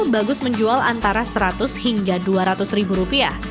bagus menjual antara seratus hingga dua ratus ribu rupiah